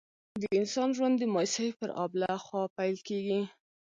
د انسان ژوند د مایوسۍ پر آبله خوا پیل کېږي.